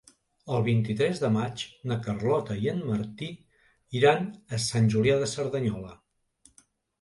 El vint-i-tres de maig na Carlota i en Martí iran a Sant Julià de Cerdanyola.